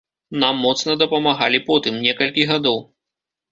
Нам моцна дапамагалі потым, некалькі гадоў.